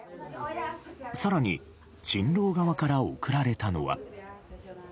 更に、新郎側から贈られたのは。